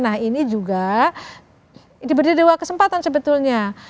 nah ini juga diberi dua kesempatan sebetulnya